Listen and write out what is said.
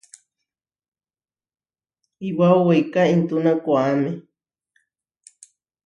Iʼwáo weiká intúna koʼáme.